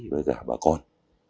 và cả bà con